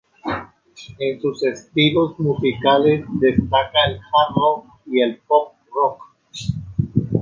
En sus estilos musicales destaca el Hard rock y el Pop rock.